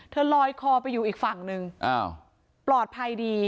ลอยคอไปอยู่อีกฝั่งนึงปลอดภัยดี